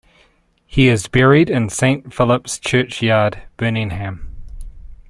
He is buried in Saint Philip's church yard, Birmingham.